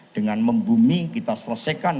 dengan membumi kita selesaikan